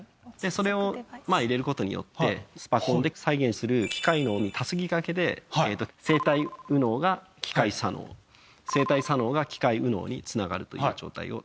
それを入れることによってスパコンで再現する機械脳にたすき掛けで生体右脳が機械左脳生体左脳が機械右脳につながるという状態を。